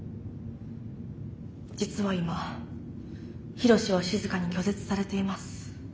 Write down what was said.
実は今緋炉詩はしずかに拒絶されています。